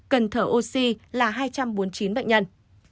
cần thở oxy là hai trăm bốn mươi chín bệnh nhân